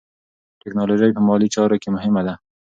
ټیکنالوژي په مالي چارو کې مهمه ده.